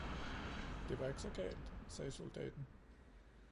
"Det var ikke så galt" sagde soldaten.